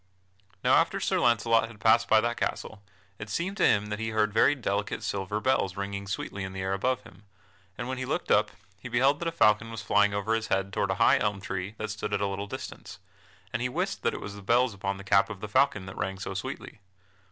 Now after Sir Launcelot had passed by that castle it seemed to him that he heard very delicate silver bells ringing sweetly in the air above him, and when he looked up he beheld that a falcon was flying over his head toward a high elm tree that stood at a little distance, and he wist that it was the bells upon the cap of the falcon that rang so sweetly.